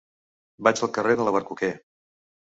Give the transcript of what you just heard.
Vaig al carrer de l'Albercoquer.